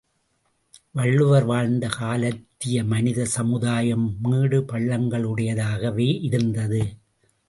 வள்ளுவர் வாழ்ந்த காலத்திய மனித சமுதாயம் மேடு பள்ளங்களையுடையதாகவே இருந்தது.